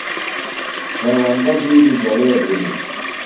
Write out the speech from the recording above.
ہیوندہ بِیڈیۡ جڑے بِھلِم۔